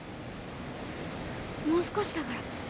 もう少しだから。